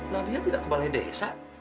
nadia tidak kembali desa